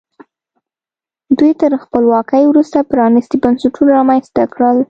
دوی تر خپلواکۍ وروسته پرانیستي بنسټونه رامنځته کړل.